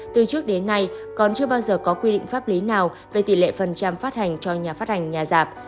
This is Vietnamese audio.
từ trước đến nay còn chưa bao giờ có quy định pháp lý nào về tỷ lệ phần trăm phát hành cho nhà phát hành nhà giảm